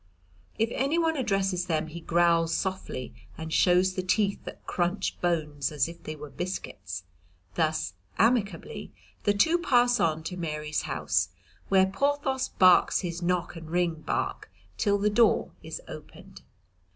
If anyone addresses them he growls softly and shows the teeth that crunch bones as if they were biscuits. Thus amicably the two pass on to Mary's house, where Porthos barks his knock and ring bark till the door is opened.